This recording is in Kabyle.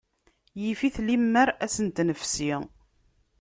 Yif-it limmer ad sent-nefsi.